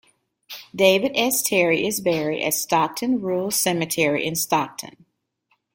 David S. Terry is buried at Stockton Rural Cemetery in Stockton.